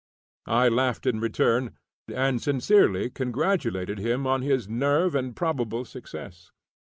I laughed in return, and sincerely congratulated him on his nerve and probable success.